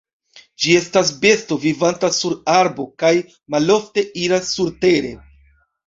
Ĝi estas besto vivanta sur arbo kaj malofte iras surtere.